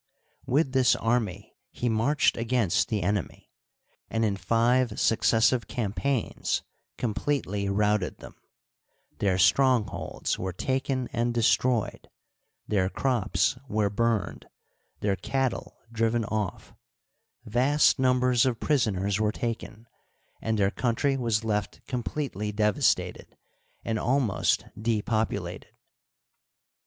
With this army he marched against the enemy, and in five successive campaigns completely routed them ; their strongholds were taken and destroyed, their crops were burned, their cattle driven off, vast numbers of prisoners were taken, and their country was left completely devas tated and almost depopulated.